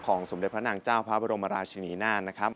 สมเด็จพระนางเจ้าพระบรมราชินีนาฏนะครับ